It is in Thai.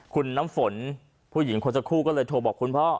คุณน้ำฝนผู้หญิงคนสักครู่ก็เลยโทรบอกคุณพ่อ